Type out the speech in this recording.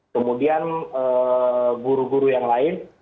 kemudian guru guru yang lain